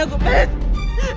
aku punya kekecewaan